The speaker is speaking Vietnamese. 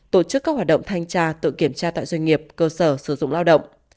tổ chức các hoạt động thanh tra tự kiểm tra tại doanh nghiệp cơ sở sử dụng lao động